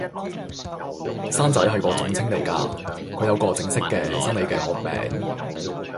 生仔係個總稱嚟噶，佢有個正式嘅、生理嘅學名